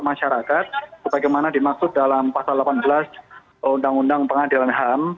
masyarakat sebagaimana dimaksud dalam pasal delapan belas undang undang pengadilan ham